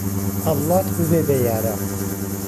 ئەللات ببێ به یاره